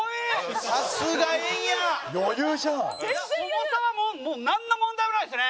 重さはもうなんの問題もないですね。